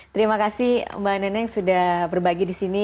terima kasih mbak neneng sudah berbagi di sini